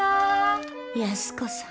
安子さん。